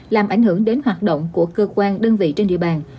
làm ảnh hưởng đến hoạt động của cơ quan đơn vị trên địa bàn